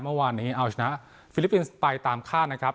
เมื่อวานนี้เอาชนะฟิลิปปินส์ไปตามคาดนะครับ